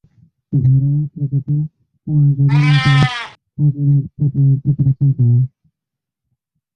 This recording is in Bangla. ঘরোয়া ক্রিকেটে কোয়াজুলু-নাটালের প্রতিনিধিত্ব করছেন তিনি।